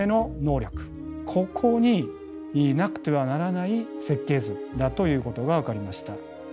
ここになくてはならない設計図だということが分かりました。